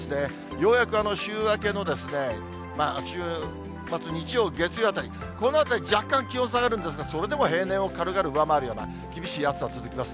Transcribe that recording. ようやく週明けの週末日曜、月曜あたり、このあたり、若干気温下がるんですが、それでも平年を軽々上回るような、厳しい暑さ続きます。